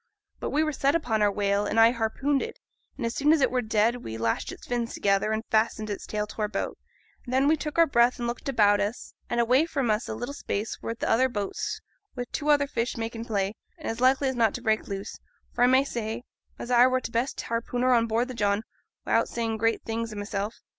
But we were set upon our whale, and I harpooned it; and as soon as it were dead we lashed its fins together, and fastened its tail to our boat; and then we took breath and looked about us, and away from us a little space were th' other boats, wi' two other fish making play, and as likely as not to break loose, for I may say as I were th' best harpooner on board the John, wi'out saying great things o' mysel'.